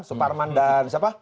suparman dan siapa